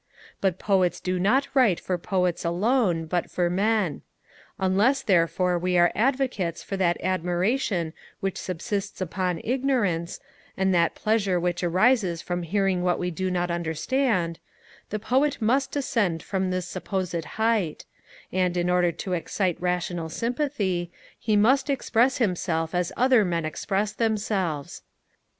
But Poets do not write for Poets alone, but for men. Unless therefore we are advocates for that admiration which subsists upon ignorance, and that pleasure which arises from hearing what we do not understand, the Poet must descend from this supposed height; and, in order to excite rational sympathy, he must express himself as other men express themselves.